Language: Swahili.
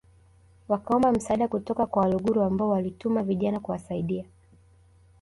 wakaomba msaada kutoka kwa Waluguru ambao walituma vijana kuwasaidia